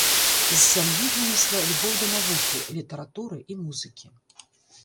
З сям'і вынесла любоў да навукі, літаратуры і музыкі.